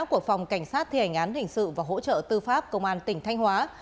của phòng cảnh sát thi hành án hình sự và hỗ trợ tư pháp công an tỉnh thanh hóa